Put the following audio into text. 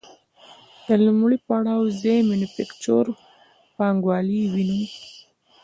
د لومړي پړاو ځای مینوفکچور پانګوالي ونیو